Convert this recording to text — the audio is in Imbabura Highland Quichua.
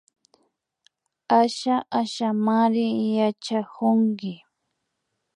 Asha Ashamari yachakunki